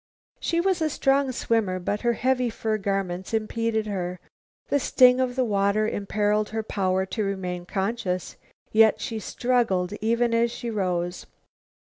She was a strong swimmer, but her heavy fur garments impeded her. The sting of the water imperiled her power to remain conscious. Yet she struggled even as she rose.